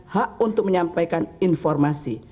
hak untuk menyampaikan informasi